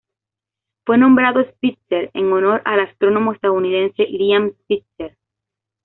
Fue nombrado Spitzer en honor al astrónomo estadounidense Lyman Spitzer.